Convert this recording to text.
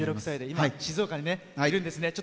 今、静岡にいるんですね。